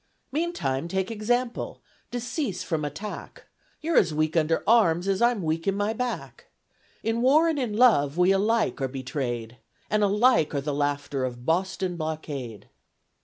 Meantime take Example; decease from Attack; You're as weak under Arms as I'm weak in my Back, In War and in Love we alike are betrayed, And alike are the laughter of BOSTON BLOCKADE.